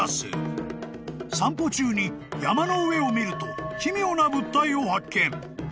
［散歩中に山の上を見ると奇妙な物体を発見］